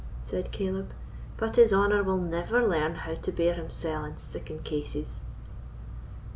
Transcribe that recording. said Caleb; "but his honour will never learn how to bear himsell in siccan cases."